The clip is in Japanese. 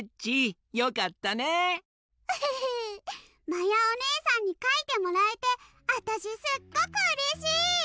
まやおねえさんにかいてもらえてあたしすっごくうれしい！